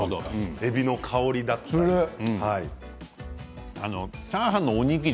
えびの香りだったり。